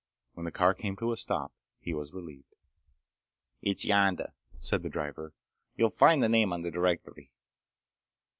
When the car came to a stop he was relieved. "It's yonder," said the driver. "You'll find the name on the directory."